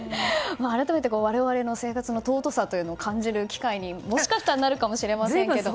改めて、我々の生活の尊さを感じる機会にもしかしたらなるかもしれませんけど。